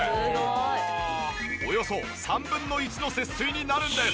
およそ３分の１の節水になるんです。